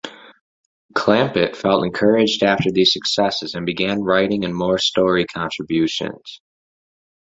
Clampett felt encouraged after these successes, and began writing in more story contributions.